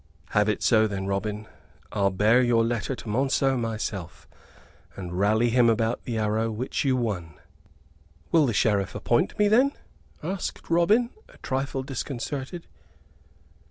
"Have it so, then, Robin. I'll bear your letter to Monceux myself, and rally him about the arrow which you won!" "Will the Sheriff appoint me, then?" asked Robin, a trifle disconcerted.